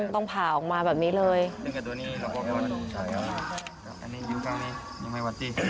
ต้องผ่าออกมาแบบนี้เลย